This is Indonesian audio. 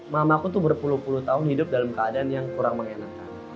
mama aku tuh berpuluh puluh tahun hidup dalam keadaan yang kurang mengenakan